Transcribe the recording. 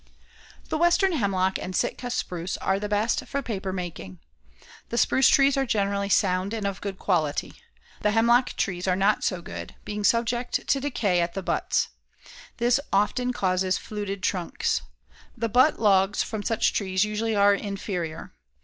The western hemlock and Sitka spruce are the best for paper making. The spruce trees are generally sound and of good quality. The hemlock trees are not so good, being subject to decay at the butts. This often causes fluted trunks. The butt logs from such trees usually are inferior.